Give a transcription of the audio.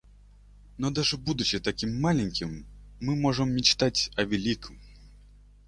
Но даже будучи такими маленькими, мы можем мечтать о великом.